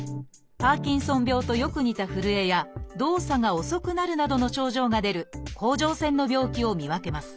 パーキンソン病とよく似たふるえや動作が遅くなるなどの症状が出る甲状腺の病気を見分けます。